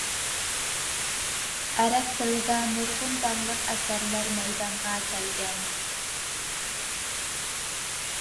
ئەرەب تىلىدا نۇرغۇن داڭلىق ئەسەرلەر مەيدانغا كەلگەن.